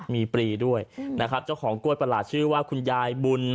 มีปรีด้วยนะครับเจ้าของกล้วยประหลาดชื่อว่าคุณยายบุญ